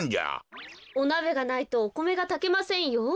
おなべがないとおこめがたけませんよ。